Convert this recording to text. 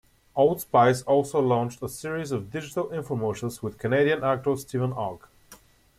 Old Spice also launched a series of digital infomercials with Canadian actor Steven Ogg.